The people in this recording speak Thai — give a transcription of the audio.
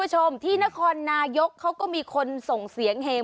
โชคดี